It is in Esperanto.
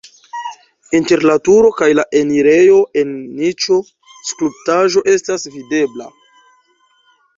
Inter la turo kaj la enirejo en niĉo skulptaĵo estas videbla.